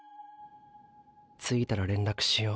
“着いたら連絡しよう”